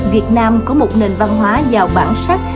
việt nam có một nền văn hóa giàu bản sắc